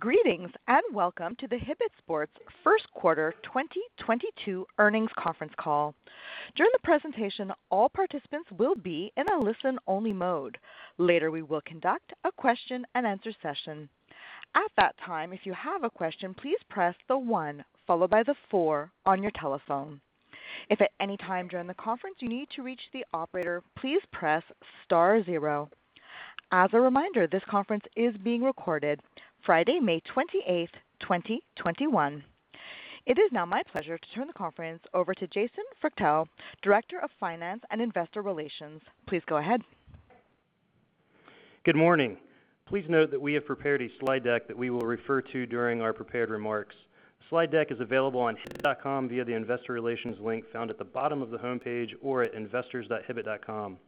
Greetings, and welcome to the Hibbett Sports First Quarter 2022 Earnings Conference Call. During the presentation, all participants will be in a listen-only mode. Later, we will conduct a question-and-answer session. At that time, if you have a question, please press the one followed by the four on your telephone. If at any time during the conference you need to reach the operator, please press star zero. As a reminder, this conference is being recorded Friday, May 28th, 2021. It is now my pleasure to turn the conference over to Jason Freuchtel, Director of Finance and Investor Relations. Please go ahead. Good morning. Please note that we have prepared a slide deck that we will refer to during our prepared remarks. The slide deck is available on hibbett.com via the Investor Relations link found at the bottom of the homepage or at investors.hibbett.com.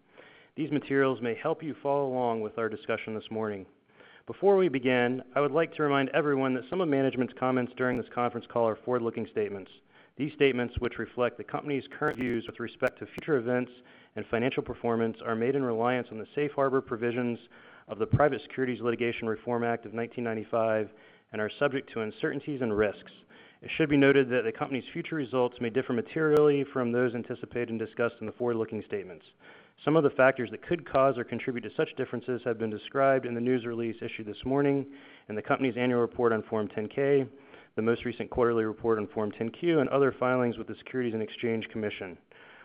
These materials may help you follow along with our discussion this morning. Before we begin, I would like to remind everyone that some of management's comments during this conference call are forward-looking statements. These statements, which reflect the company's current views with respect to future events and financial performance, are made in reliance on the safe harbor provisions of the Private Securities Litigation Reform Act of 1995 and are subject to uncertainties and risks. It should be noted that the company's future results may differ materially from those anticipated and discussed in the forward-looking statements. Some of the factors that could cause or contribute to such differences have been described in the news release issued this morning and the company's annual report on Form 10-K, the most recent quarterly report on Form 10-Q, and other filings with the Securities and Exchange Commission.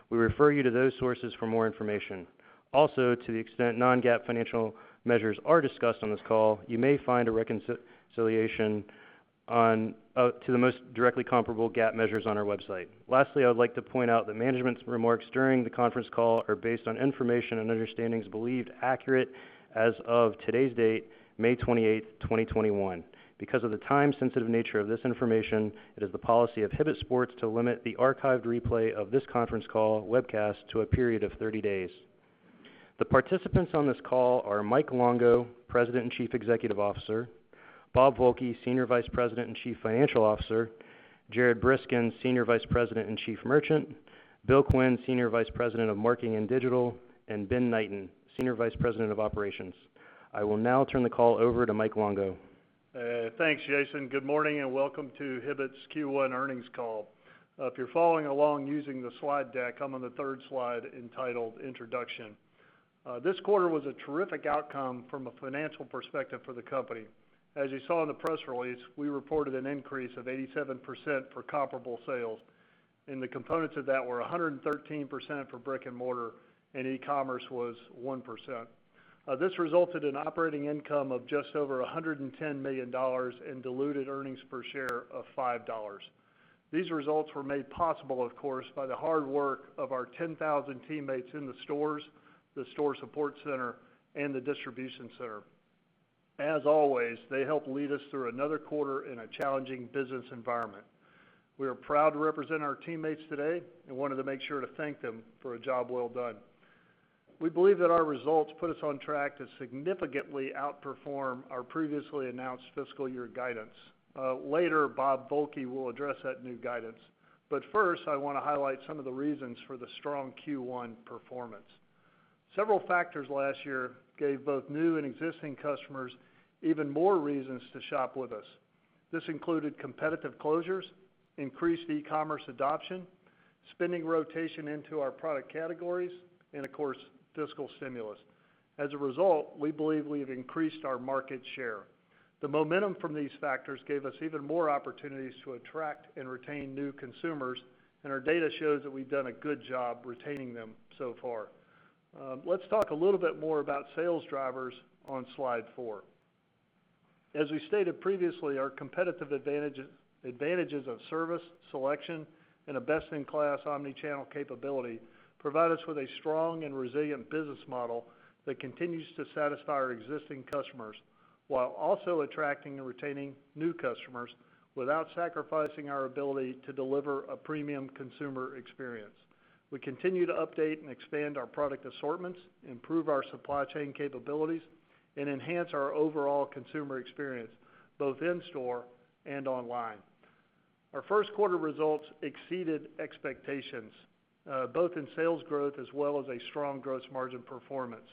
We refer you to those sources for more information. Also, to the extent non-GAAP financial measures are discussed on this call, you may find a reconciliation to the most directly comparable GAAP measures on our website. Lastly, I would like to point out that management's remarks during the conference call are based on information and understandings believed accurate as of today's date, May 28th, 2021. Because of the time-sensitive nature of this information, it is the policy of Hibbett Sports to limit the archived replay of this conference call webcast to a period of 30 days. The participants on this call are Mike Longo, President and Chief Executive Officer; Bob Volke, Senior Vice President and Chief Financial Officer; Jared Briskin, Senior Vice President and Chief Merchant; Bill Quinn, Senior Vice President of Marketing and Digital; and Ben Knighten, Senior Vice President of Operations. I will now turn the call over to Mike Longo. Thanks, Jason Freuchtel. Good morning and welcome to Hibbett's Q1 earnings call. If you're following along using the slide deck, I'm on the third slide entitled Introduction. This quarter was a terrific outcome from a financial perspective for the company. As you saw in the press release, we reported an increase of 87% for comparable sales, and the components of that were 113% for brick-and-mortar and e-commerce was 1%. This resulted in operating income of just over $110 million and diluted earnings per share of $5. These results were made possible, of course, by the hard work of our 10,000 teammates in the stores, the store support center, and the distribution center. As always, they help lead us through another quarter in a challenging business environment. We are proud to represent our teammates today and wanted to make sure to thank them for a job well done. We believe that our results put us on track to significantly outperform our previously announced fiscal year guidance. Later, Bob Volke will address that new guidance. First, I want to highlight some of the reasons for the strong Q1 performance. Several factors last year gave both new and existing customers even more reasons to shop with us. This included competitive closures, increased e-commerce adoption, spending rotation into our product categories, and of course, fiscal stimulus. As a result, we believe we've increased our market share. The momentum from these factors gave us even more opportunities to attract and retain new consumers, and our data shows that we've done a good job retaining them so far. Let's talk a little bit more about sales drivers on slide four. As we stated previously, our competitive advantages of service, selection, and a best-in-class omni-channel capability provide us with a strong and resilient business model that continues to satisfy our existing customers while also attracting and retaining new customers without sacrificing our ability to deliver a premium consumer experience. We continue to update and expand our product assortments, improve our supply chain capabilities, and enhance our overall consumer experience, both in-store and online. Our first quarter results exceeded expectations, both in sales growth as well as a strong gross margin performance.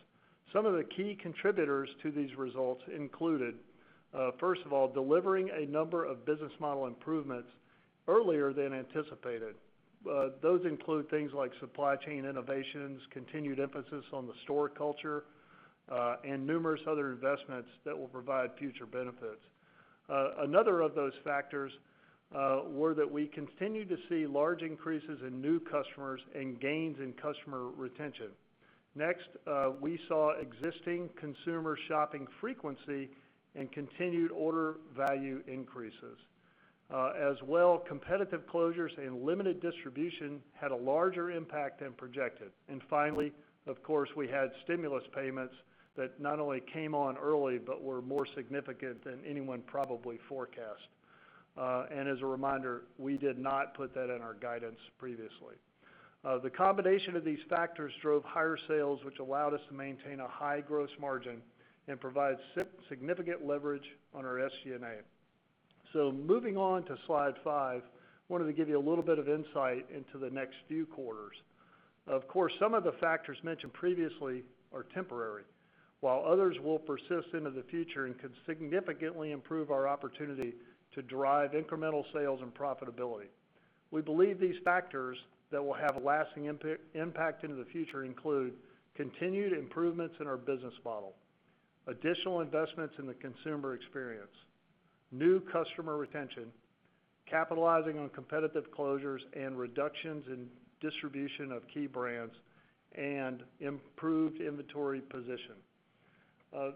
Some of the key contributors to these results included, first of all, delivering a number of business model improvements earlier than anticipated. Those include things like supply chain innovations, continued emphasis on the store culture, and numerous other investments that will provide future benefits. Another of those factors were that we continue to see large increases in new customers and gains in customer retention. We saw existing consumer shopping frequency and continued order value increases. Competitive closures and limited distribution had a larger impact than projected. Finally, of course, we had stimulus payments that not only came on early but were more significant than anyone probably forecast. As a reminder, we did not put that in our guidance previously. The combination of these factors drove higher sales, which allowed us to maintain a high gross margin and provide significant leverage on our SG&A. Moving on to slide five, I wanted to give you a little bit of insight into the next few quarters. Of course, some of the factors mentioned previously are temporary, while others will persist into the future and could significantly improve our opportunity to drive incremental sales and profitability. We believe these factors that will have a lasting impact into the future include continued improvements in our business model, additional investments in the consumer experience, new customer retention, capitalizing on competitive closures and reductions in distribution of key brands, and improved inventory position.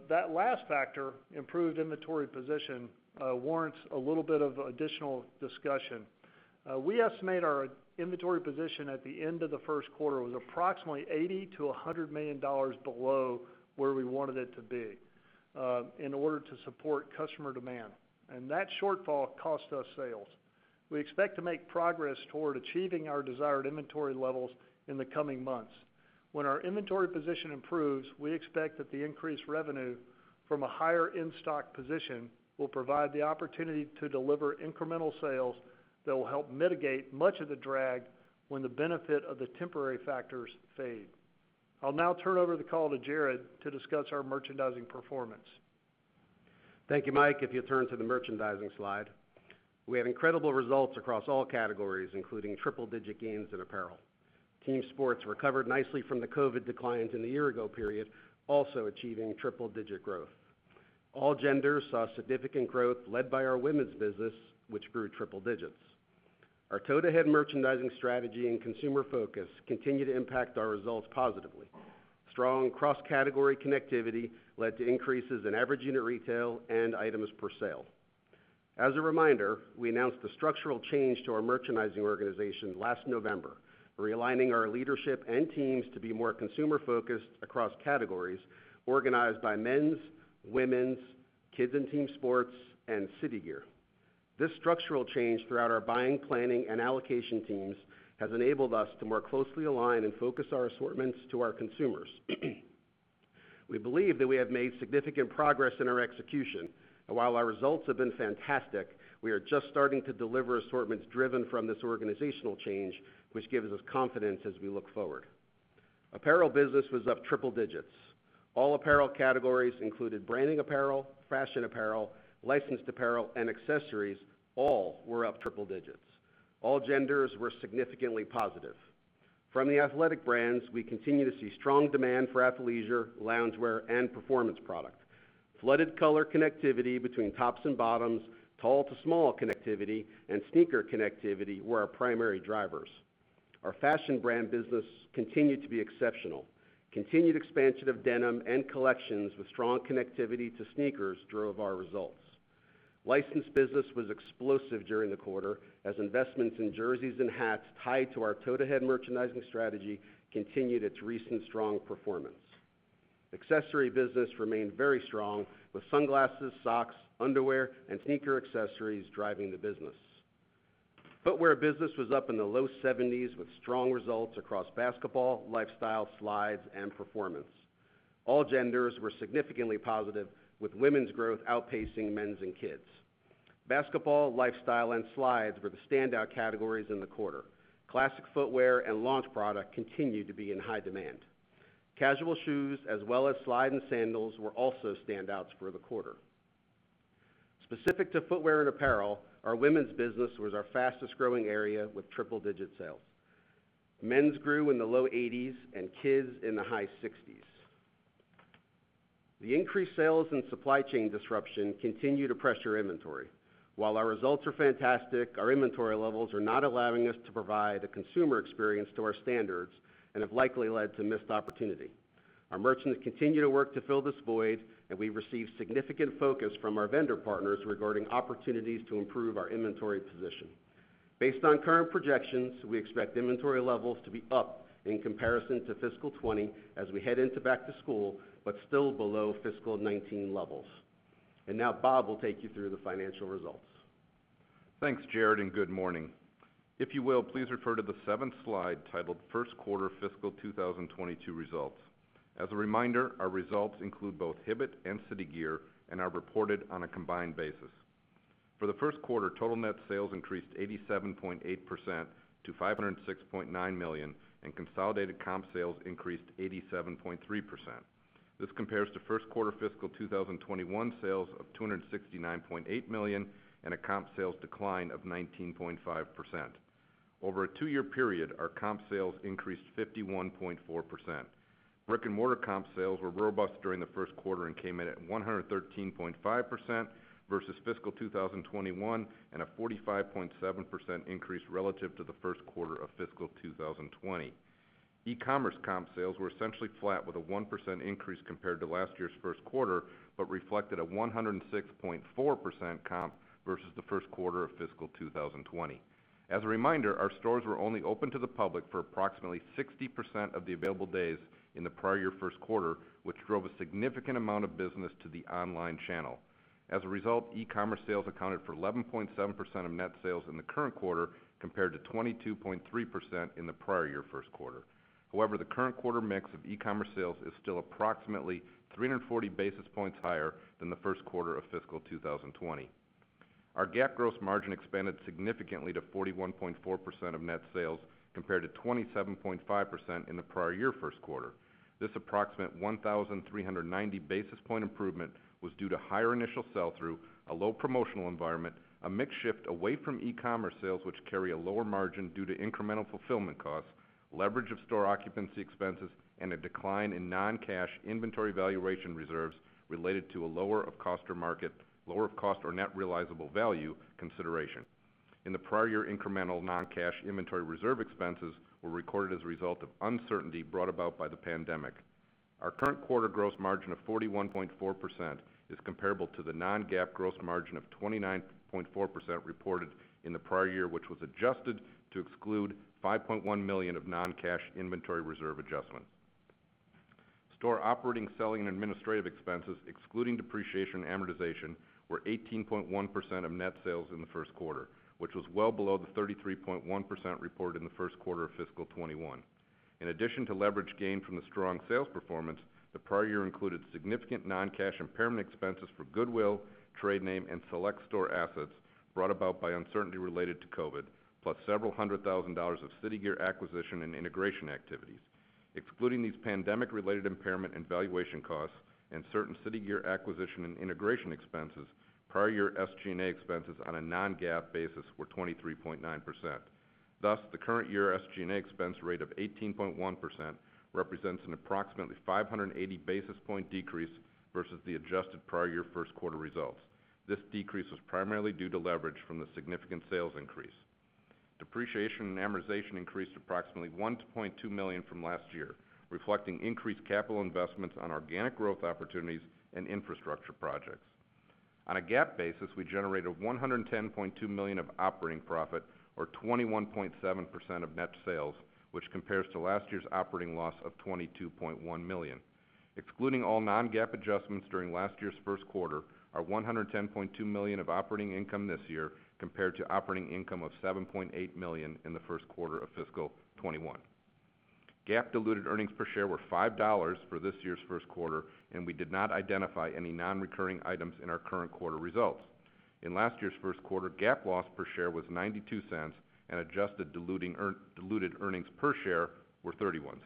That last factor, improved inventory position, warrants a little bit of additional discussion. We estimate our inventory position at the end of the first quarter was approximately $80 million-$100 million below where we wanted it to be in order to support customer demand, and that shortfall cost us sales. We expect to make progress toward achieving our desired inventory levels in the coming months. When our inventory position improves, we expect that the increased revenue from a higher in-stock position will provide the opportunity to deliver incremental sales that will help mitigate much of the drag when the benefit of the temporary factors fade. I'll now turn over the call to Jared to discuss our merchandising performance. Thank you, Mike. If you'll turn to the merchandising slide. We had incredible results across all categories, including triple-digit gains in apparel. Team sports recovered nicely from the COVID declines in the year-ago period, also achieving triple-digit growth. All genders saw significant growth led by our women's business, which grew triple digits. Our toe-to-head merchandising strategy and consumer focus continue to impact our results positively. Strong cross-category connectivity led to increases in average unit retail and items per sale. As a reminder, we announced the structural change to our merchandising organization last November, realigning our leadership and teams to be more consumer-focused across categories organized by men's, women's, kids and team sports, and City Gear. This structural change throughout our buying, planning, and allocation teams has enabled us to more closely align and focus our assortments to our consumers. We believe that we have made significant progress in our execution, and while our results have been fantastic, we are just starting to deliver assortments driven from this organizational change, which gives us confidence as we look forward. Apparel business was up triple digits. All apparel categories included branding apparel, fashion apparel, licensed apparel, and accessories all were up triple digits. All genders were significantly positive. From the athletic brands, we continue to see strong demand for athleisure, loungewear, and performance product. Flooded color connectivity between tops and bottoms, tall to small connectivity, and sneaker connectivity were our primary drivers. Our fashion brand business continued to be exceptional. Continued expansion of denim and collections with strong connectivity to sneakers drove our results. Licensed business was explosive during the quarter as investments in jerseys and hats tied to our toe-to-head merchandising strategy continued its recent strong performance. Accessory business remained very strong, with sunglasses, socks, underwear, and sneaker accessories driving the business. Footwear business was up in the low 70s with strong results across basketball, lifestyle, slides, and performance. All genders were significantly positive with women's growth outpacing men's and kids'. Basketball, lifestyle, and slides were the standout categories in the quarter. Classic footwear and launch product continued to be in high demand. Casual shoes as well as slide and sandals were also standouts for the quarter. Specific to footwear and apparel, our women's business was our fastest-growing area with triple-digit sales. Men's grew in the low 80s and kids' in the high 60s. The increased sales and supply chain disruption continue to pressure inventory. While our results are fantastic, our inventory levels are not allowing us to provide a consumer experience to our standards and have likely led to missed opportunity. Our merchants continue to work to fill this void, and we receive significant focus from our vendor partners regarding opportunities to improve our inventory position. Based on current projections, we expect inventory levels to be up in comparison to fiscal 2020 as we head into back to school, but still below fiscal 2019 levels. Now Bob will take you through the financial results. Thanks, Jared, and good morning. If you will, please refer to the seventh slide titled First Quarter Fiscal 2022 Results. As a reminder, our results include both Hibbett and City Gear and are reported on a combined basis. For the first quarter, total net sales increased 87.8% to $506.9 million, and consolidated comp sales increased 87.3%. This compares to first quarter fiscal 2021 sales of $269.8 million and a comp sales decline of 19.5%. Over a two-year period, our comp sales increased 51.4%. Brick-and-mortar comp sales were robust during the first quarter and came in at 113.5% versus fiscal 2021 and a 45.7% increase relative to the first quarter of fiscal 2020. E-commerce comp sales were essentially flat with a 1% increase compared to last year's first quarter but reflected a 106.4% comp versus the first quarter of fiscal 2020. As a reminder, our stores were only open to the public for approximately 60% of the available days in the prior year first quarter, which drove a significant amount of business to the online channel. E-commerce sales accounted for 11.7% of net sales in the current quarter compared to 22.3% in the prior year first quarter. The current quarter mix of e-commerce sales is still approximately 340 basis points higher than the first quarter of fiscal 2020. Our GAAP gross margin expanded significantly to 41.4% of net sales, compared to 27.5% in the prior year first quarter. This approximate 1,390 basis point improvement was due to higher initial sell-through, a low promotional environment, a mix shift away from e-commerce sales, which carry a lower margin due to incremental fulfillment costs, leverage of store occupancy expenses, and a decline in non-cash inventory valuation reserves related to a lower of cost or net realizable value consideration. In the prior year, incremental non-cash inventory reserve expenses were recorded as a result of uncertainty brought about by the pandemic. Our current quarter gross margin of 41.4% is comparable to the non-GAAP gross margin of 29.4% reported in the prior year, which was adjusted to exclude $5.1 million of non-cash inventory reserve adjustments. Store operating, selling, and administrative expenses excluding depreciation and amortization, were 18.1% of net sales in the first quarter, which was well below the 33.1% reported in the first quarter of fiscal 2021. In addition to leverage gained from the strong sales performance, the prior year included significant non-cash impairment expenses for goodwill, trade name, and select store assets brought about by uncertainty related to COVID, plus several hundred thousand dollars of City Gear acquisition and integration activities. Excluding these pandemic-related impairment and valuation costs and certain City Gear acquisition and integration expenses, prior year SG&A expenses on a non-GAAP basis were 23.9%. Thus, the current year SG&A expense rate of 18.1% represents an approximately 580 basis point decrease versus the adjusted prior year first quarter results. This decrease was primarily due to leverage from the significant sales increase. Depreciation and amortization increased approximately $1.2 million from last year, reflecting increased capital investments on organic growth opportunities and infrastructure projects. On a GAAP basis, we generated $110.2 million of operating profit or 21.7% of net sales, which compares to last year's operating loss of $22.1 million. Excluding all non-GAAP adjustments during last year's first quarter, our $110.2 million of operating income this year compared to operating income of $7.8 million in the first quarter of fiscal 2021. GAAP diluted earnings per share were $5 for this year's first quarter, and we did not identify any non-recurring items in our current quarter results. In last year's first quarter, GAAP loss per share was $0.92 and adjusted diluted earnings per share were $0.31.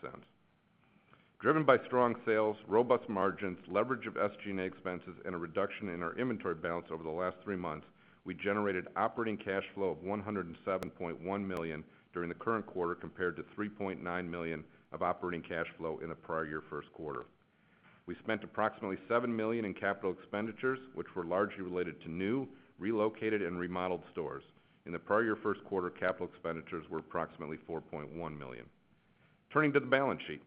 Driven by strong sales, robust margins, leverage of SG&A expenses, and a reduction in our inventory balance over the last three months, we generated operating cash flow of $107.1 million during the current quarter, compared to $3.9 million of operating cash flow in the prior year first quarter. We spent approximately $7 million in capital expenditures, which were largely related to new, relocated, and remodeled stores. In the prior year first quarter, capital expenditures were approximately $4.1 million. Turning to the balance sheet,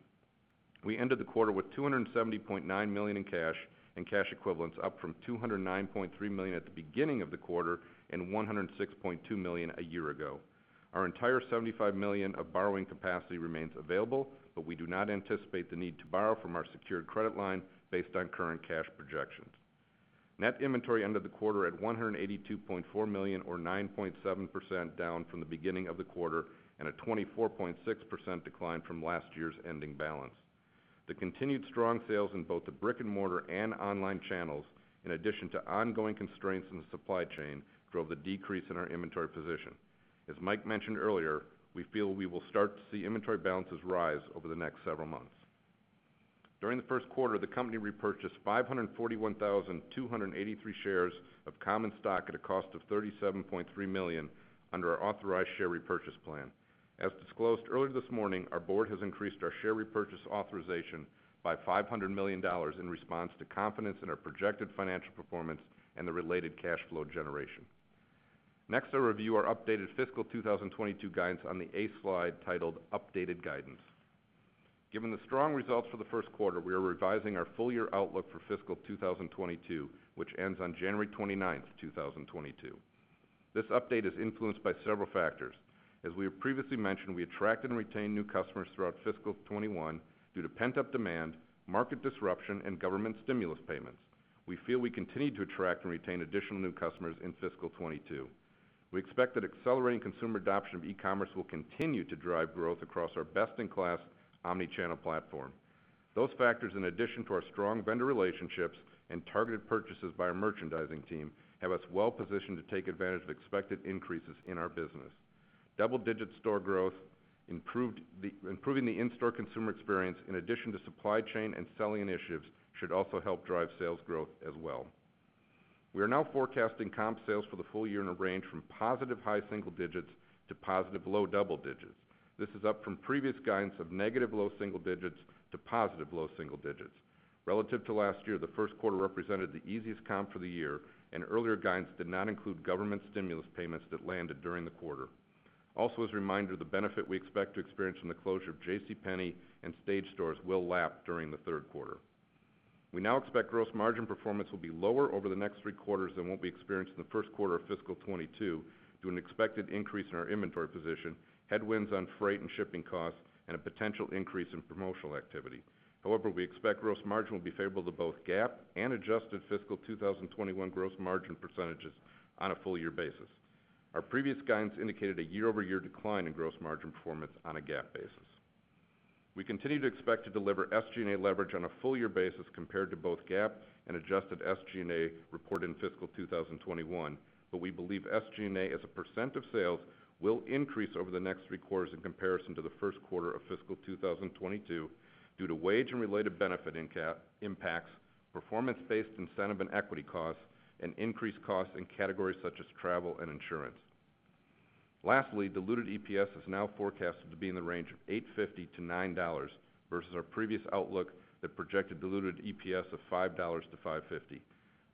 we ended the quarter with $270.9 million in cash and cash equivalents, up from $209.3 million at the beginning of the quarter and $106.2 million a year ago. Our entire $75 million of borrowing capacity remains available, but we do not anticipate the need to borrow from our secured credit line based on current cash projections. Net inventory ended the quarter at $182.4 million or 9.7% down from the beginning of the quarter, and a 24.6% decline from last year's ending balance. The continued strong sales in both the brick-and-mortar and online channels, in addition to ongoing constraints in the supply chain, drove the decrease in our inventory position. As Mike mentioned earlier, we feel we will start to see inventory balances rise over the next several months. During the first quarter, the company repurchased 541,283 shares of common stock at a cost of $37.3 million under our authorized share repurchase plan. As disclosed earlier this morning, our board has increased our share repurchase authorization by $500 million in response to confidence in our projected financial performance and the related cash flow generation. Next, I'll review our updated fiscal 2022 guidance on the eighth slide titled Updated Guidance. Given the strong results for the first quarter, we are revising our full-year outlook for fiscal 2022, which ends on January 29th, 2022. This update is influenced by several factors. As we have previously mentioned, we attracted and retained new customers throughout fiscal 2021 due to pent-up demand, market disruption, and government stimulus payments. We feel we continued to attract and retain additional new customers in fiscal 2022. We expect that accelerating consumer adoption of e-commerce will continue to drive growth across our best-in-class omni-channel platform. Those factors, in addition to our strong vendor relationships and targeted purchases by our merchandising team, have us well positioned to take advantage of expected increases in our business. Double-digit store growth, improving the in-store consumer experience in addition to supply chain and selling initiatives should also help drive sales growth as well. We are now forecasting comp sales for the full year in a range from positive high single digits to positive low double digits. This is up from previous guidance of negative low single digits to positive low single digits. Relative to last year, the first quarter represented the easiest comp for the year, and earlier guidance did not include government stimulus payments that landed during the quarter. As a reminder, the benefit we expect to experience from the closure of JCPenney and Stage Stores will lap during the third quarter. We now expect gross margin performance will be lower over the next three quarters than what we experienced in the first quarter of fiscal 2022 due to an expected increase in our inventory position, headwinds on freight and shipping costs, and a potential increase in promotional activity. However, we expect gross margin will be favorable to both GAAP and adjusted fiscal 2021 gross margin percentages on a full-year basis. Our previous guidance indicated a year-over-year decline in gross margin performance on a GAAP basis. We continue to expect to deliver SG&A leverage on a full year basis compared to both GAAP and adjusted SG&A reported in fiscal 2021. We believe SG&A as a percent of sales will increase over the next three quarters in comparison to the first quarter of fiscal 2022 due to wage and related benefit impacts, performance-based incentive and equity costs, and increased costs in categories such as travel and insurance. Lastly, diluted EPS is now forecasted to be in the range of $8.50-$9.00 versus our previous outlook that projected diluted EPS of $5.00-$5.50.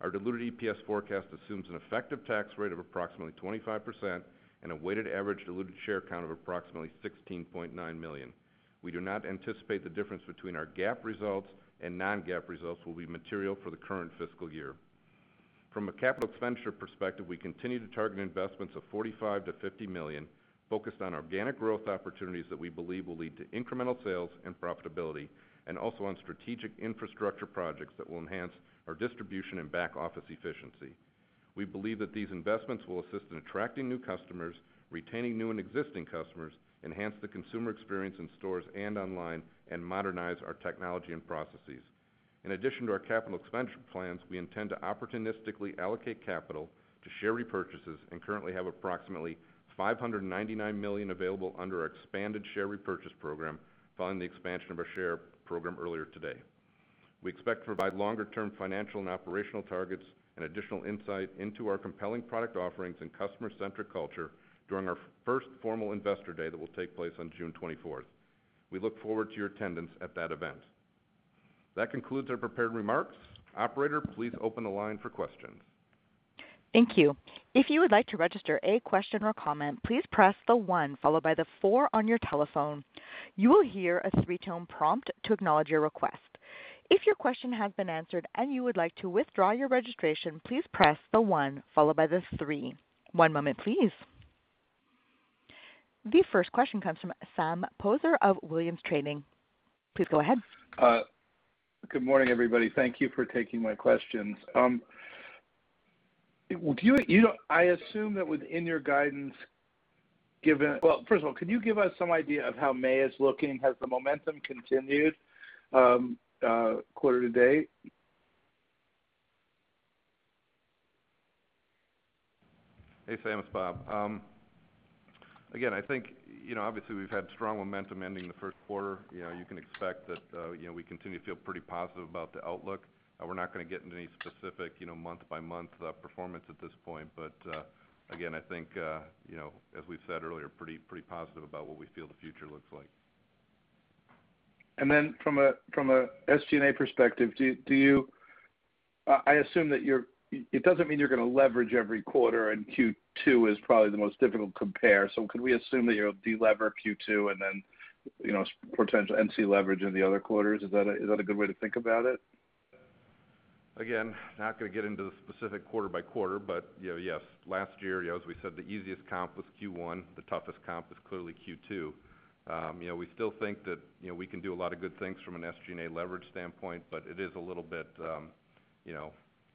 Our diluted EPS forecast assumes an effective tax rate of approximately 25% and a weighted average diluted share count of approximately 16.9 million. We do not anticipate the difference between our GAAP results and non-GAAP results will be material for the current fiscal year. From a capital expenditure perspective, we continue to target investments of $45 million-$50 million focused on organic growth opportunities that we believe will lead to incremental sales and profitability, and also on strategic infrastructure projects that will enhance our distribution and back-office efficiency. We believe that these investments will assist in attracting new customers, retaining new and existing customers, enhance the consumer experience in stores and online, and modernize our technology and processes. In addition to our capital expenditure plans, we intend to opportunistically allocate capital to share repurchases and currently have approximately $599 million available under our expanded share repurchase program following the expansion of our share program earlier today. We expect to provide longer-term financial and operational targets and additional insight into our compelling product offerings and customer-centric culture during our first formal Investor Day that will take place on June 24th. We look forward to your attendance at that event. That concludes our prepared remarks. Operator, please open the line for questions. Thank you. If you would like to register a question or comment, please press the one followed by the four on your telephone. You will hear a three-tone prompt to acknowledge your request. If your question has been answered and you would like to withdraw your registration, please press the one followed by the three. One moment please. The first question comes from Sam Poser of Williams Trading. Please go ahead. Good morning, everybody. Thank you for taking my questions. I assume that within your guidance. Well, first of all, can you give us some idea of how May is looking? Has the momentum continued quarter-to-date? Hey, Sam. It's Bob. Again, I think, obviously, we've had strong momentum ending the first quarter. You can expect that we continue to feel pretty positive about the outlook. We're not going to get into any specific month-by-month performance at this point. Again, I think, as we said earlier, pretty positive about what we feel the future looks like. Then from a SG&A perspective, it doesn't mean you're going to leverage every quarter, and Q2 is probably the most difficult compare. Can we assume that you'll de-lever Q2 and then potentially leverage in the other quarters? Is that a good way to think about it? Again, not going to get into the specific quarter-by-quarter, but yes. Last year, as we said, the easiest comp was Q1. The toughest comp was clearly Q2. We still think that we can do a lot of good things from an SG&A leverage standpoint, but it is a little bit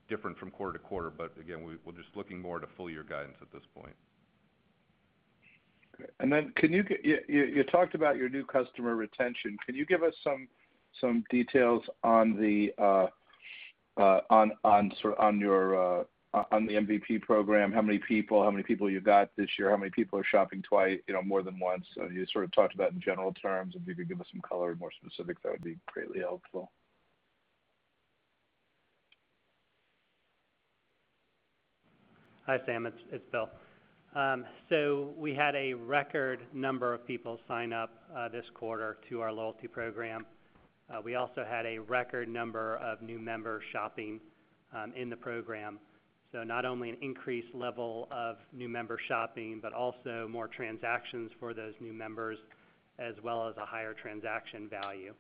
different from quarter-to-quarter. Again, we're just looking more to full year guidance at this point. Great. You talked about your new customer retention. Can you give us some details on the MVP program? How many people you got this year? How many people are shopping twice, more than once? Can you talk to that in general terms? If you could give us some color, more specific, that would be greatly helpful. Hi, Sam. It's Bill. We had a record number of people sign up this quarter to our loyalty program. We also had a record number of new members shopping in the program. Not only an increased level of new member shopping, but also more transactions for those new members, as well as a higher transaction value.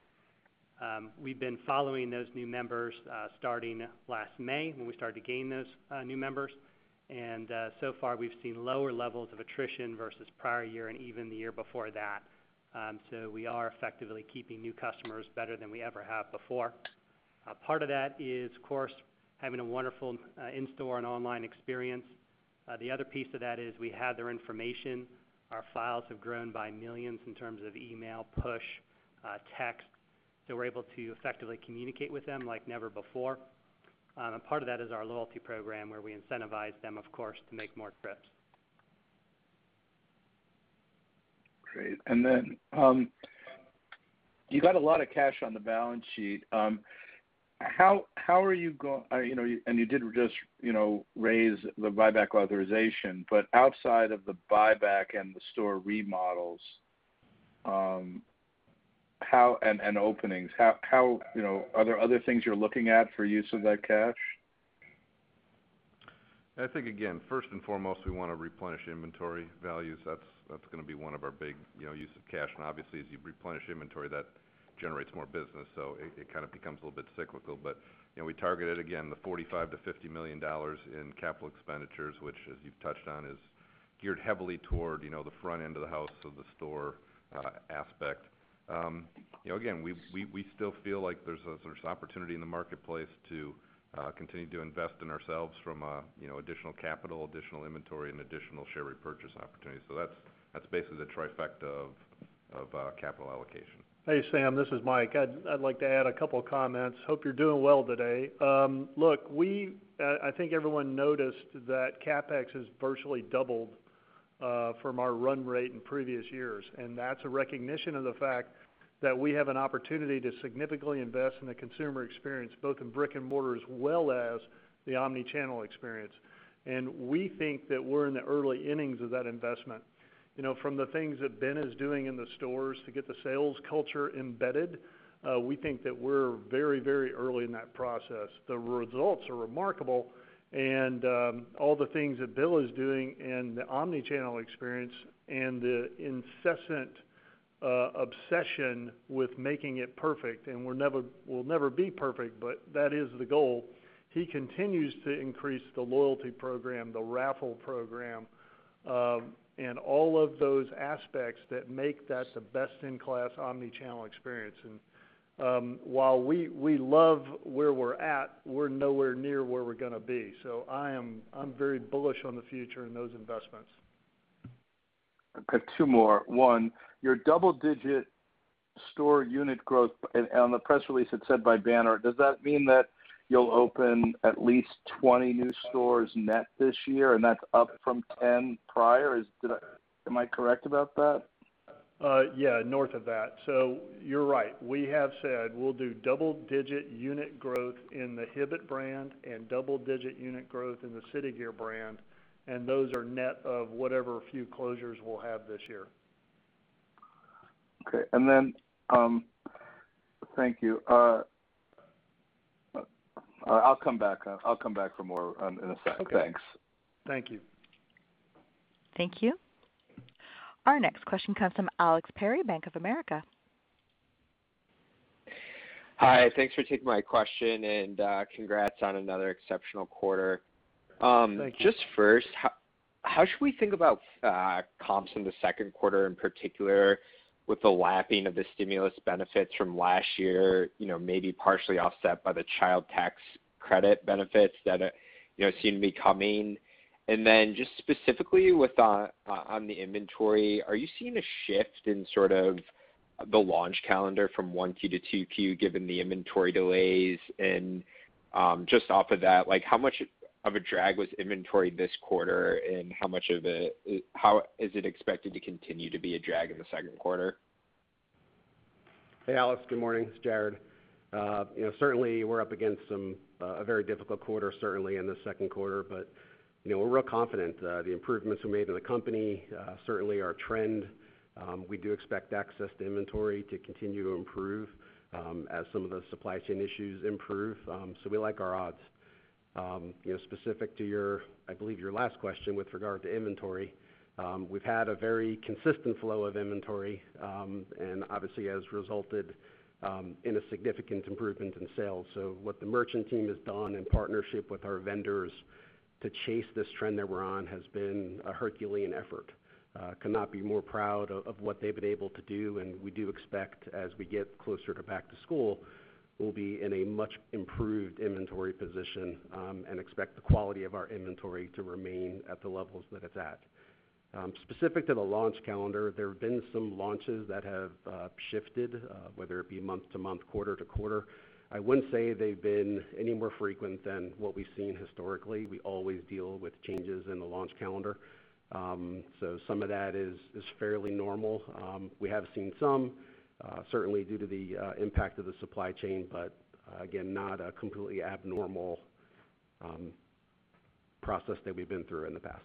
We've been following those new members starting last May, when we started to gain those new members. So far, we've seen lower levels of attrition versus prior year and even the year before that. We are effectively keeping new customers better than we ever have before. Part of that is, of course, having a wonderful in-store and online experience. The other piece of that is we have their information. Our files have grown by millions in terms of email, push, text. We're able to effectively communicate with them like never before. Part of that is our loyalty program where we incentivize them, of course, to make more trips. Great. You got a lot of cash on the balance sheet. You did just raise the buyback authorization. Outside of the buyback and the store remodels and openings, are there other things you're looking at for use of that cash? I think, again, first and foremost, we want to replenish inventory values. That's going to be one of our big use of cash. Obviously, as you replenish inventory, that generates more business. It kind of becomes a little bit cyclical. We targeted, again, the $45 million-$50 million in CapEx, which as you've touched on, is geared heavily toward the front end of the house of the store aspect. Again, we still feel like there's opportunity in the marketplace to continue to invest in ourselves from additional capital, additional inventory, and additional share repurchase opportunities. That's basically the trifecta of Of capital allocation. Hey, Sam, this is Mike. I'd like to add a couple of comments. Hope you're doing well today. Look, I think everyone noticed that CapEx has virtually doubled from our run rate in previous years, and that's a recognition of the fact that we have an opportunity to significantly invest in the consumer experience, both in brick and mortar as well as the omni-channel experience. We think that we're in the early innings of that investment. From the things that Ben is doing in the stores to get the sales culture embedded, we think that we're very early in that process. The results are remarkable, and all the things that Bill is doing in the omni-channel experience and the incessant obsession with making it perfect. Will never be perfect, but that is the goal. He continues to increase the loyalty program, the raffle program, and all of those aspects that make that the best-in-class omni-channel experience. While we love where we're at, we're nowhere near where we're going to be. I'm very bullish on the future and those investments. Okay, two more. One, your double-digit store unit growth on the press release it said by banner. Does that mean that you'll open at least 20 new stores net this year and that's up from 10 prior? Am I correct about that? Yeah, north of that. You're right, we have said we'll do double-digit unit growth in the Hibbett brand and double-digit unit growth in the City Gear brand, and those are net of whatever few closures we'll have this year. Okay. Thank you. I'll come back for more in a second. Okay. Thanks. Thank you. Thank you. Our next question comes from Alex Perry, Bank of America. Hi. Thanks for taking my question, and congrats on another exceptional quarter. Thank you. Just first, how should we think about comps in the second quarter in particular with the lapping of the stimulus benefits from last year, maybe partially offset by the child tax credit benefits that seem to be coming? Then just specifically on the inventory, are you seeing a shift in sort of the launch calendar from 1Q to 2Q given the inventory delays? Just off of that, how much of a drag was inventory this quarter and how is it expected to continue to be a drag in the second quarter? Hey, Alex. Good morning. It's Jared. We're up against a very difficult quarter, certainly in the second quarter. We're real confident the improvements we made to the company certainly are a trend. We do expect access to inventory to continue to improve as some of the supply chain issues improve. We like our odds. Specific to your, I believe your last question with regard to inventory, we've had a very consistent flow of inventory, and obviously has resulted in a significant improvement in sales. What the merchant team has done in partnership with our vendors to chase this trend that we're on has been a Herculean effort. Could not be more proud of what they've been able to do, and we do expect as we get closer to back to school, we'll be in a much improved inventory position, and expect the quality of our inventory to remain at the levels that it's at. Specific to the launch calendar, there have been some launches that have shifted, whether it be month-to-month, quarter-to-quarter. I wouldn't say they've been any more frequent than what we've seen historically. We always deal with changes in the launch calendar. Some of that is fairly normal. We have seen some certainly due to the impact of the supply chain, but again, not a completely abnormal process that we've been through in the past.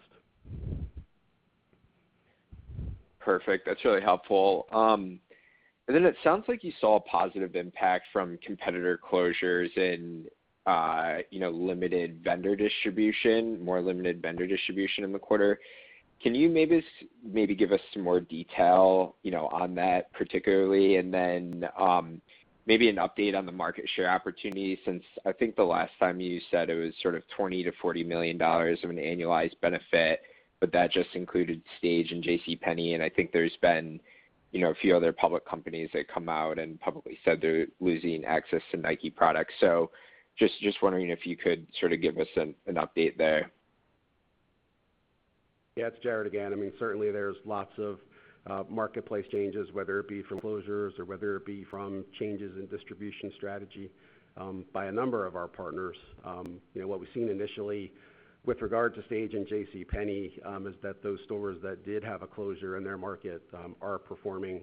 Perfect. That's really helpful. It sounds like you saw a positive impact from competitor closures and limited vendor distribution, more limited vendor distribution in the quarter. Can you maybe give us some more detail on that particularly? Maybe an update on the market share opportunity since I think the last time you said it was sort of $20 million-$40 million of an annualized benefit, that just included Stage and JCPenney, I think there's been a few other public companies that come out and publicly said they're losing access to Nike products. Just wondering if you could sort of give us an update there. Yeah. It's Jared again. I mean, certainly there's lots of marketplace changes, whether it be from closures or whether it be from changes in distribution strategy by a number of our partners. What we've seen initially with regard to Stage and JCPenney is that those stores that did have a closure in their market are performing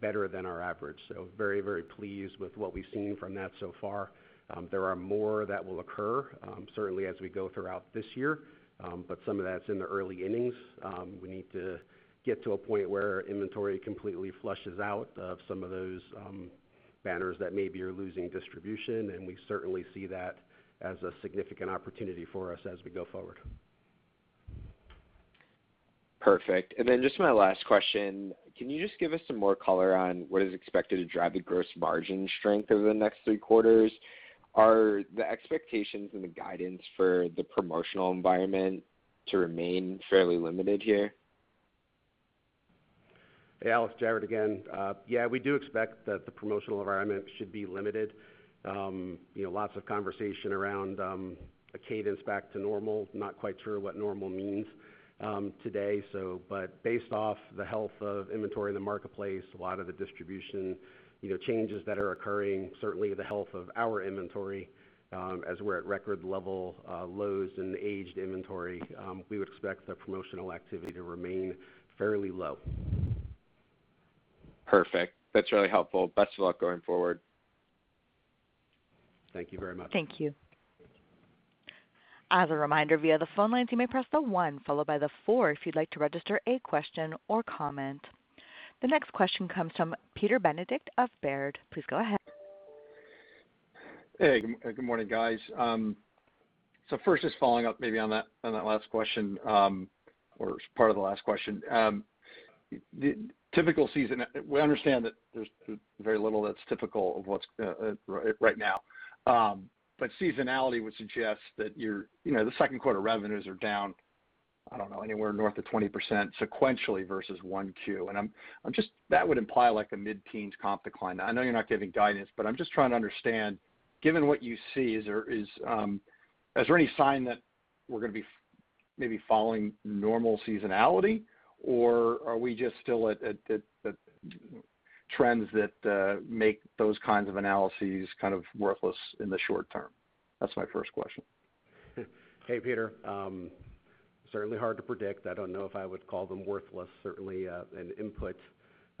better than our average. Very pleased with what we've seen from that so far. There are more that will occur certainly as we go throughout this year. Some of that's in the early innings. We need to get to a point where inventory completely flushes out of some of those banners that maybe are losing distribution, and we certainly see that as a significant opportunity for us as we go forward. Perfect. Just my last question. Can you just give us some more color on what is expected to drive the gross margin strength over the next three quarters? Are the expectations and the guidance for the promotional environment to remain fairly limited here? Hey, Alex. Jared again. Yeah, we do expect that the promotional environment should be limited. Lots of conversation around a cadence back to normal, not quite sure what normal means. Today. Based off the health of inventory in the marketplace, a lot of the distribution changes that are occurring, certainly the health of our inventory as we are at record level lows in the aged inventory, we would expect the promotional activity to remain fairly low. Perfect. That's really helpful. Best of luck going forward. Thank you very much. Thank you. As a reminder, via the phone lines, you may press the one followed by the four if you'd like to register a question or comment. The next question comes from Peter Benedict of Baird. Please go ahead. Hey, good morning, guys. First, just following up maybe on that last question, or part of the last question. Typical season, we understand that there's very little that's typical of what's right now. Seasonality would suggest that the second quarter revenues are down, I don't know, anywhere north of 20% sequentially versus 1Q. That would imply like a mid-teens comp decline. I know you're not giving guidance, but I'm just trying to understand, given what you see, is there any sign that we're going to be maybe following normal seasonality, or are we just still at trends that make those kinds of analyses kind of worthless in the short term? That's my first question. Hey, Peter. Certainly hard to predict. I don't know if I would call them worthless. Certainly an input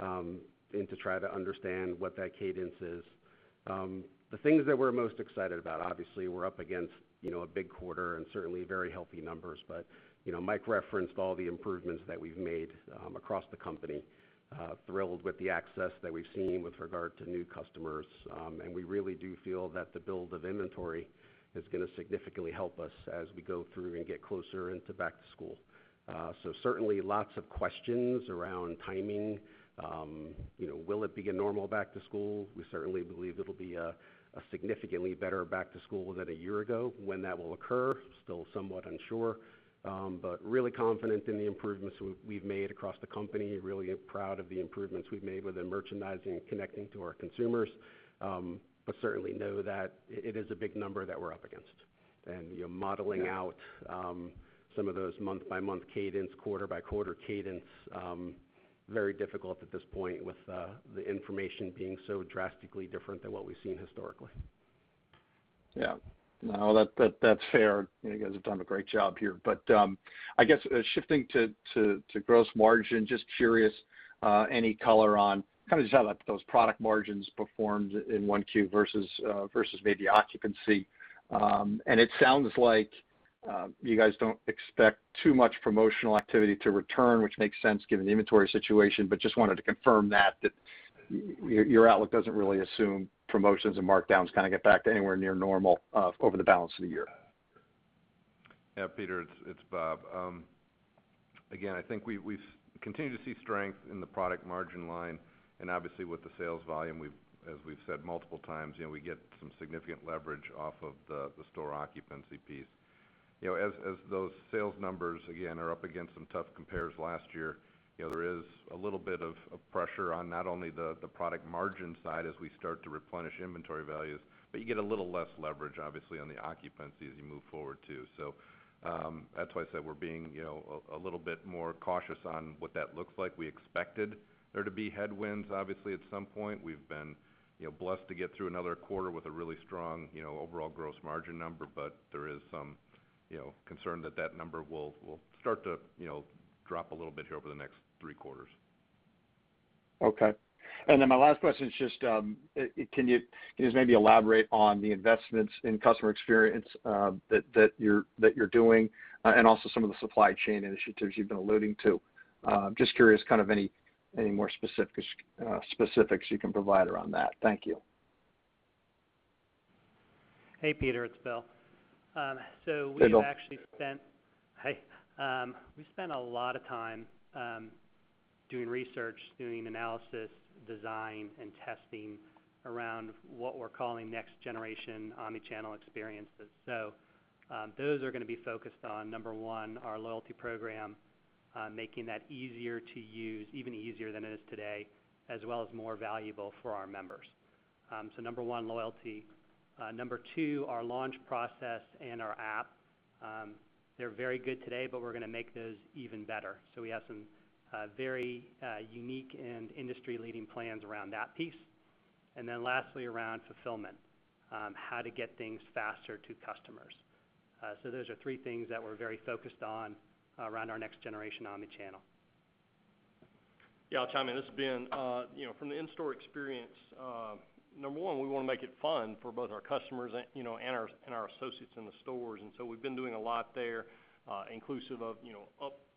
and to try to understand what that cadence is. The things that we're most excited about, obviously, we're up against a big quarter and certainly very healthy numbers. Mike referenced all the improvements that we've made across the company, thrilled with the access that we've seen with regard to new customers. We really do feel that the build of inventory is going to significantly help us as we go through and get closer into back-to-school. Certainly lots of questions around timing. Will it be a normal back-to-school? We certainly believe it'll be a significantly better back-to-school than a year ago. When that will occur, still somewhat unsure. Really confident in the improvements we've made across the company. Really proud of the improvements we've made within merchandising and connecting to our consumers. Certainly know that it is a big number that we're up against. Modeling out some of those month-by-month cadence, quarter-by-quarter cadence, very difficult at this point with the information being so drastically different than what we've seen historically. No, that's fair. You guys have done a great job here. I guess, shifting to gross margin, just curious, any color on how those product margins performed in 1Q versus maybe occupancy. It sounds like you guys don't expect too much promotional activity to return, which makes sense given the inventory situation, but just wanted to confirm that your outlook doesn't really assume promotions and markdowns get back to anywhere near normal over the balance of the year. Yeah, Peter, it's Bob. Again, I think we continue to see strength in the product margin line, and obviously with the sales volume, as we've said multiple times, we get some significant leverage off of the store occupancy piece. As those sales numbers, again, are up against some tough compares last year, there is a little bit of pressure on not only the product margin side as we start to replenish inventory values, but you get a little less leverage, obviously, on the occupancy as you move forward, too. That's why I said we're being a little bit more cautious on what that looks like. We expected there to be headwinds, obviously, at some point. We've been blessed to get through another quarter with a really strong overall gross margin number. There is some concern that that number will start to drop a little bit here over the next three quarters. Okay. My last question is just, can you just maybe elaborate on the investments in customer experience that you're doing and also some of the supply chain initiatives you've been alluding to? Just curious, any more specifics you can provide around that. Thank you. Hey, Peter, it's Bill. Hey, Bill. Hi. We spent a lot of time doing research, doing analysis, design, and testing around what we're calling next generation omni-channel experiences. Those are going to be focused on, number one, our loyalty program, making that easier to use, even easier than it is today, as well as more valuable for our members. Number one, loyalty. Number two, our launch process and our app. They're very good today, but we're going to make those even better. We have some very unique and industry-leading plans around that piece. Lastly, around fulfillment. How to get things faster to customers. Those are three things that we're very focused on around our next generation omni-channel. Yeah, I'll chime in. This has been from the in-store experience. Number one, we want to make it fun for both our customers and our associates in the stores. We've been doing a lot there, inclusive of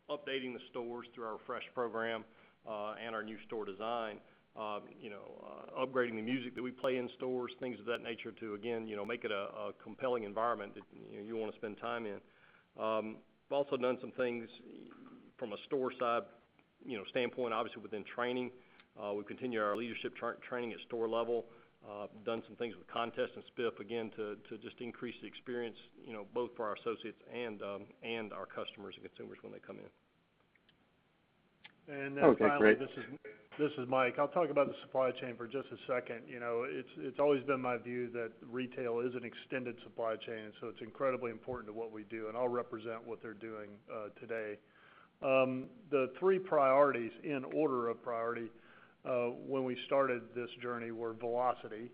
updating the stores through our refresh program and our new store design. Upgrading the music that we play in stores, things of that nature to, again, make it a compelling environment that you want to spend time in. We've also done some things from a store side standpoint, obviously within training. We continue our leadership training at store level. We've done some things with contests and spiff again to just increase the experience both for our associates and our customers and consumers when they come in. Finally, this is Mike. I'll talk about the supply chain for just a second. It's always been my view that retail is an extended supply chain, so it's incredibly important to what we do, and I'll represent what they're doing today. The three priorities in order of priority when we started this journey were velocity,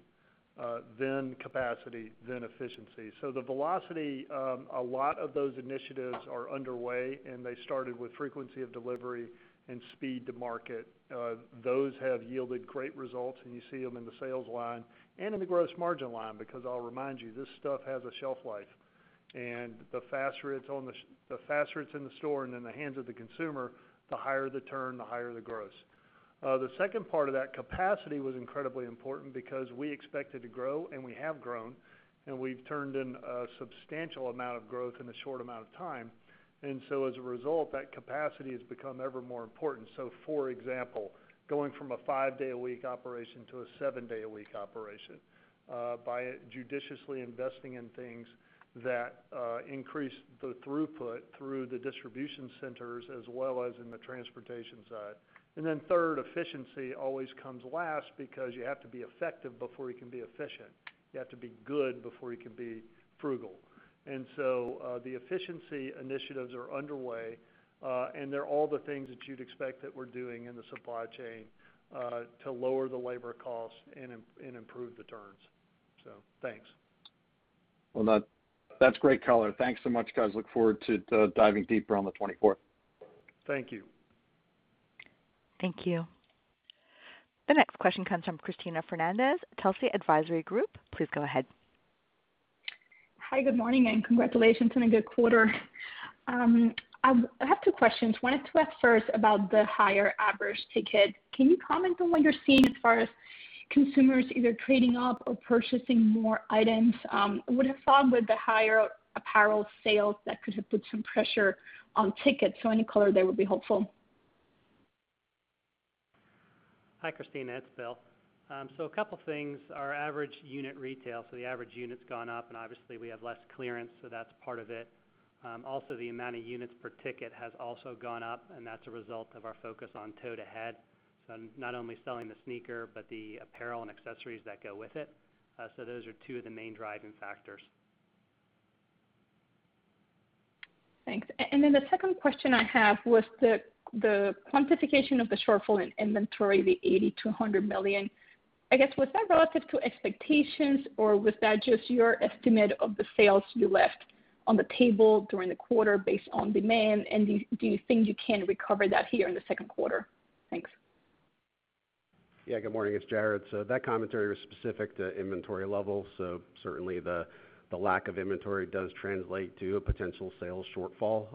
then capacity, then efficiency. The velocity, a lot of those initiatives are underway, and they started with frequency of delivery and speed to market. Those have yielded great results, and you see them in the sales line and in the gross margin line, because I'll remind you, this stuff has a shelf life. The faster it's in the store and in the hands of the consumer, the higher the turn, the higher the gross. The second part of that capacity was incredibly important because we expected to grow, and we have grown, and we've turned in a substantial amount of growth in a short amount of time. As a result, that capacity has become ever more important. For example, going from a five-day-a-week operation to a seven-day-a-week operation, by judiciously investing in things that increase the throughput through the distribution centers, as well as in the transportation side. Then third, efficiency always comes last because you have to be effective before you can be efficient. You have to be good before you can be frugal. The efficiency initiatives are underway. They're all the things that you'd expect that we're doing in the supply chain to lower the labor costs and improve the turns. Thanks. Well, that's great color. Thanks so much, guys. Look forward to diving deeper on the 24th. Thank you. Thank you. The next question comes from Cristina Fernández, Telsey Advisory Group. Please go ahead. Hi, good morning, and congratulations on a good quarter. I have two questions. Wanted to ask first about the higher average ticket. Can you comment on what you're seeing as far as consumers either trading up or purchasing more items? I would have thought with the higher apparel sales, that could have put some pressure on tickets. Any color there would be helpful. Hi, Cristina, it's Bill. A couple things. Our average unit retail, so the average unit's gone up, and obviously, we have less clearance, so that's part of it. Also, the amount of units per ticket has also gone up, and that's a result of our focus on toe-to-head. Not only selling the sneaker, but the apparel and accessories that go with it. Those are two of the main driving factors. Thanks. The second question I have was the quantification of the shortfall in inventory, the $80 million-$100 million. I guess, was that relative to expectations, or was that just your estimate of the sales you left on the table during the quarter based on demand? Do you think you can recover that here in the second quarter? Thanks. Yeah, good morning. It's Jared. That commentary was specific to inventory levels. Certainly, the lack of inventory does translate to a potential sales shortfall.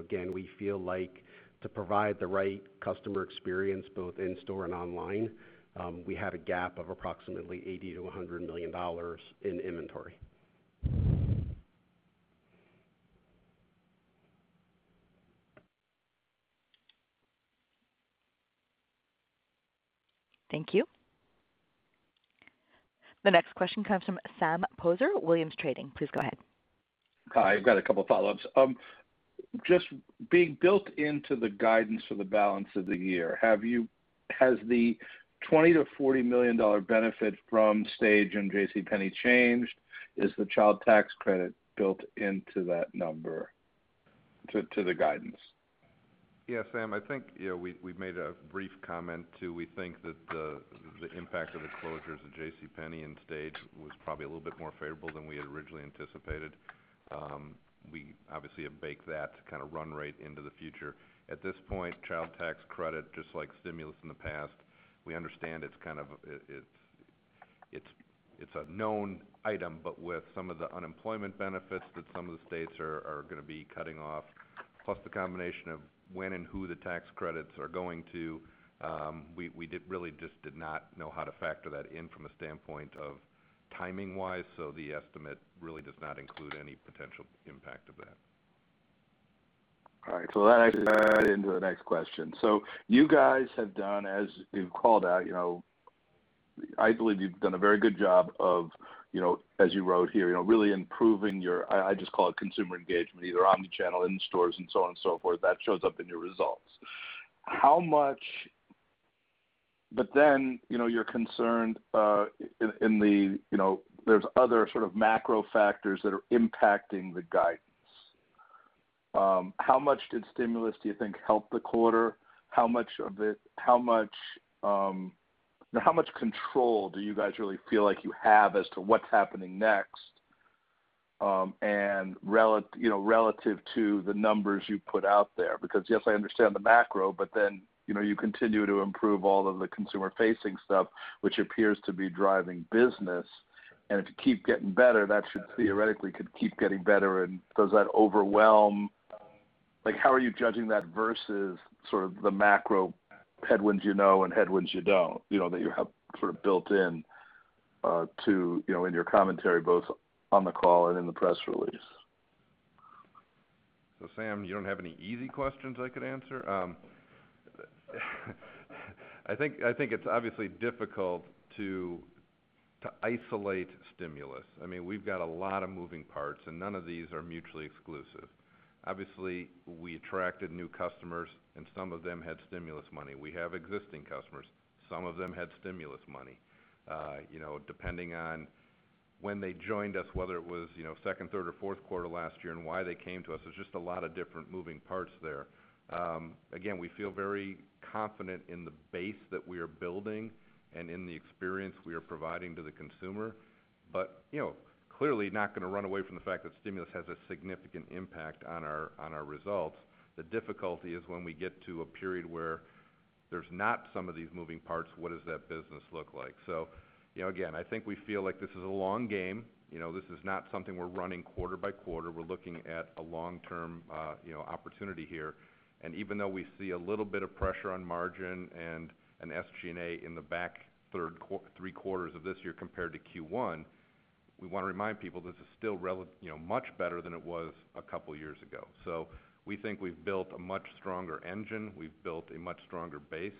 Again, we feel like to provide the right customer experience both in store and online, we had a gap of approximately $80 million-$100 million in inventory. Thank you. The next question comes from Sam Poser, Williams Trading. Please go ahead. Hi, I've got a couple follow-ups. Just being built into the guidance for the balance of the year, has the $20 million-$40 million benefit from Stage and JCPenney changed? Is the child tax credit built into that number to the guidance? Sam, I think we made a brief comment to we think that the impact of the closures of JCPenney and Stage was probably a little bit more favorable than we had originally anticipated. We obviously have baked that run rate into the future. At this point, child tax credit, just like stimulus in the past, we understand it's a known item, but with some of the unemployment benefits that some of the states are going to be cutting off, plus the combination of when and who the tax credits are going to, we really just did not know how to factor that in from a standpoint of timing-wise, so the estimate really does not include any potential impact of that. All right. That actually leads into the next question. You guys have done, as you've called out, I believe you've done a very good job of, as you wrote here, really improving your, I just call it consumer engagement, either omni-channel, in stores, and so on and so forth. That shows up in your results. You're concerned there's other sort of macro factors that are impacting the guidance. How much did stimulus, do you think, help the quarter? How much control do you guys really feel like you have as to what's happening next and relative to the numbers you put out there? Yes, I understand the macro, but then you continue to improve all of the consumer-facing stuff, which appears to be driving business. If it keep getting better, that should theoretically could keep getting better. How are you judging that versus the macro headwinds you know and headwinds you don't, that you have built in in your commentary, both on the call and in the press release? Sam, you don't have any easy questions I could answer? I think it's obviously difficult to isolate stimulus. We've got a lot of moving parts, and none of these are mutually exclusive. Obviously, we attracted new customers, and some of them had stimulus money. We have existing customers, some of them had stimulus money. Depending on when they joined us, whether it was second, third, or fourth quarter last year, and why they came to us, there's just a lot of different moving parts there. Again, we feel very confident in the base that we are building and in the experience we are providing to the consumer. Clearly not going to run away from the fact that stimulus has a significant impact on our results. The difficulty is when we get to a period where there's not some of these moving parts, what does that business look like? Again, I think we feel like this is a long game. This is not something we're running quarter-by-quarter. We're looking at a long-term opportunity here. Even though we see a little bit of pressure on margin and SG&A in the back three quarters of this year compared to Q1, we want to remind people this is still much better than it was a couple of years ago. We think we've built a much stronger engine. We've built a much stronger base.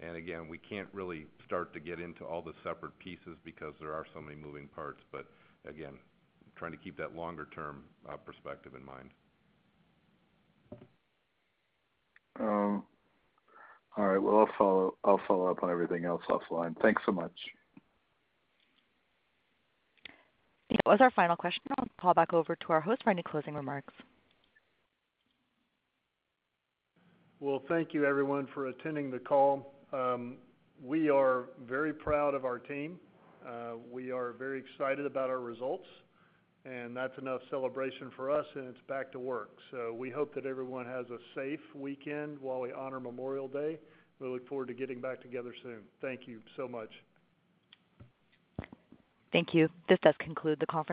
Again, we can't really start to get into all the separate pieces because there are so many moving parts. Again, trying to keep that longer-term perspective in mind. All right. Well, I'll follow up on everything else offline. Thanks so much. That was our final question. I'll call back over to our host for any closing remarks. Well, thank you, everyone, for attending the call. We are very proud of our team. We are very excited about our results, and that's enough celebration for us, and it's back to work. We hope that everyone has a safe weekend while we honor Memorial Day. We look forward to getting back together soon. Thank you so much. Thank you. This does conclude the call.